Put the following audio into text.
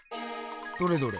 どれどれ。